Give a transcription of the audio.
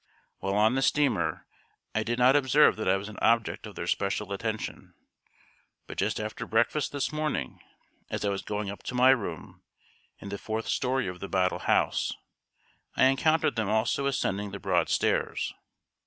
While on the steamer, I did not observe that I was an object of their special attention; but just after breakfast this morning, as I was going up to my room, in the fourth story of the Battle House, I encountered them also ascending the broad stairs.